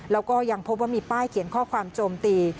แล้วก็ยังพบว่ามีป้ายเขียนข้อความโจมตี